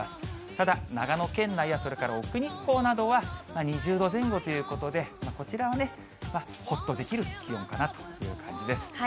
ただ、長野県内や、それから奥日光などは２０度前後ということで、こちらはね、ほっとできる気温かなという感じです。